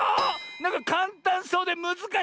なんかかんたんそうでむずかしい！